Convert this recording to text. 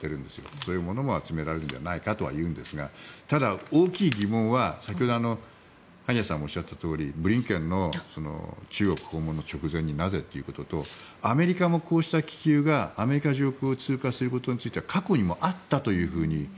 そういうものも集められるんじゃないかというんですがただ、大きい疑問は先ほど萩谷さんもおっしゃったとおりブリンケンの中国訪問の直前になぜということとアメリカもこうした気球がアメリカ上空を通過することについては過去にもあったと。